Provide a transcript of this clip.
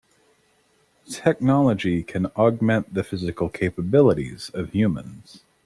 Technology can augment the physical capabilities of humans.